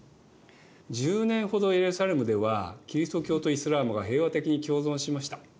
１０年ほどエルサレムではキリスト教とイスラームが平和的に共存しました。